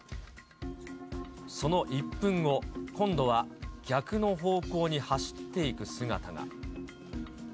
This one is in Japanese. その１分後、今度は、逆の方向に走っていく姿が。